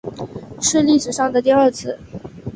是历史上的第二次